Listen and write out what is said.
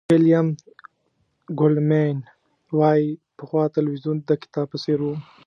ویلیام گولډمېن وایي پخوا تلویزیون د کتاب په څېر و.